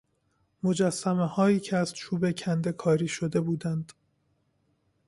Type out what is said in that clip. مجسمههایی که از چوب کنده کاری شده بودند